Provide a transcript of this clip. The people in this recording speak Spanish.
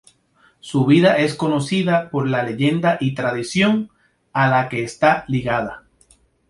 Su vida es conocida por la leyenda y tradición a la que está ligada.